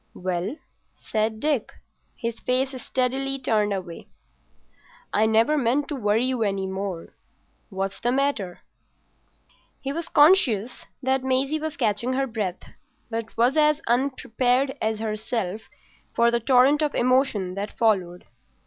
"Well?" said Dick, his face steadily turned away. "I never meant to worry you any more. What's the matter?" He was conscious that Maisie was catching her breath, but was as unprepared as herself for the torrent of emotion that followed.